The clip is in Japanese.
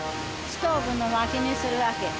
ストーブの薪にするわけ。